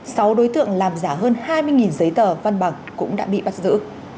sau đó sáu đối tượng làm giả hơn hai mươi giấy tờ văn bằng cũng đã bị bắt giữ